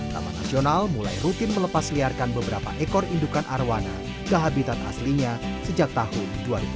taman nasional mulai rutin melepasliarkan beberapa ekor indukan arowana ke habitat aslinya sejak tahun dua ribu tujuh belas